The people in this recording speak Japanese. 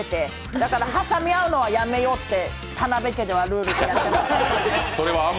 だから挟み合うのはやめようって田辺家ではルールでやってます。